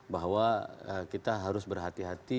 bahwa kita harus berhati hati